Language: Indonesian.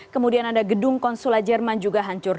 kemudian ada gedung konsulat jerman juga hancur